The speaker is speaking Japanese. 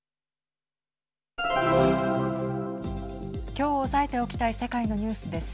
きょう押さえておきたい世界のニュースです。